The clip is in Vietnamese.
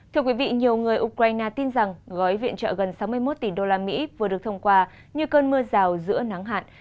thưa quý vị nhiều người ukraine tin rằng gói viện trợ gần sáu mươi một tỷ usd vừa được thông qua như cơn mưa rào giữa nắng hạn